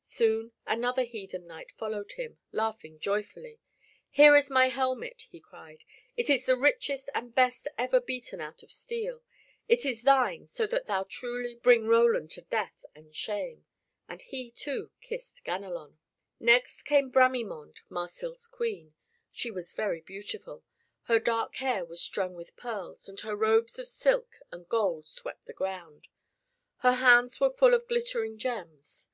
Soon another heathen knight followed him, laughing joyfully. "Here is my helmet," he cried. "It is the richest and best ever beaten out of steel. It is thine so that thou truly bring Roland to death and shame." And he, too, kissed Ganelon. Next came Bramimonde, Marsil's queen. She was very beautiful. Her dark hair was strung with pearls, and her robes of silk and gold swept the ground. Her hands were full of glittering gems.